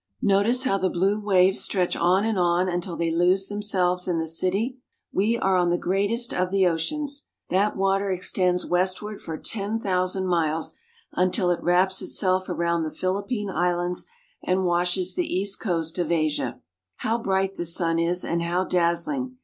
Notice how the blue waves stretch on and on until they lose themselves in the sky. We are on the greatest of the oceans. That wa ter extends west ward for ten thou sand miles until it wraps itself around the Philippine Is lands and washes the east coast of Asia. How bright the sun is, and how dazzling!